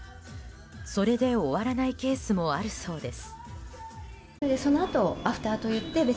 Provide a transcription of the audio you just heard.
それで終わらないケースもあるそうです。